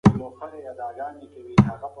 پخوا په یوه ښاره کې د نیم کلي د خلکو ګډ کورونه وو.